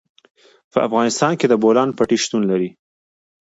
په افغانستان کې د بولان پټي شتون لري.